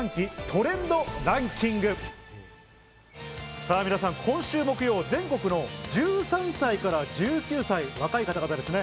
さぁ皆さん、今週木曜、全国の１３歳から１９歳、若い方々ですね。